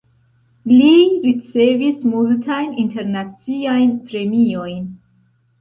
Li ricevis multajn internaciajn premiojn.